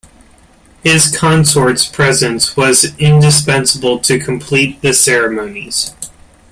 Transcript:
His consort's presence was indispensable to complete the ceremonies.